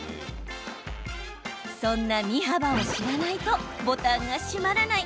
そんな身幅を知らないとボタンが閉まらない。